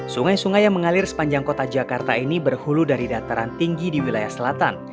sungai sungai yang mengalir sepanjang kota jakarta ini berhulu dari dataran tinggi di wilayah selatan